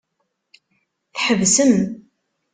Tḥebsem.